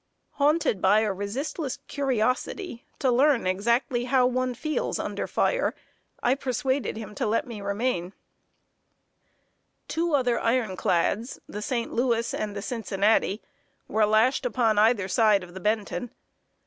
Haunted by a resistless curiosity to learn exactly how one feels under fire, I persuaded him to let me remain. [Sidenote: BOMBARDMENT OF ISLAND NUMBER TEN.] Two other iron clads, the St. Louis and the Cincinnati, were lashed upon either side of the Benton.